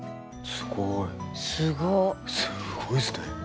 すごいっすね。